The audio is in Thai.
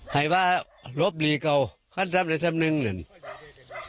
ฮี่ฮะหลบหลีกเอาขั้นศาสตร์เป็นซักนึงเนี่ย